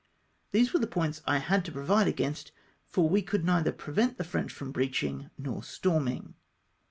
These were tlie points I liad to provide against, for we could neither prevent the French from breachino; nor stormino